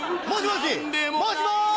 もしもし！